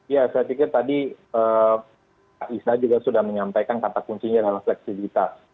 ya saya pikir tadi pak isna juga sudah menyampaikan kata kuncinya adalah fleksibilitas